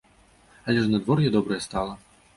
Але ж і надвор'е добрае стала!